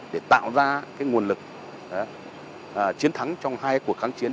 để tạo ra nguồn lực chiến thắng trong hai cuộc kháng chiến